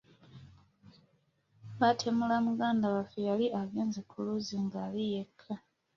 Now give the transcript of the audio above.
Baatemula muganda waffe yali agenze ku luzzi ng’ali yekka.